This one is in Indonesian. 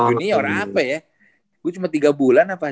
gue kepada hanis tiga bulan apa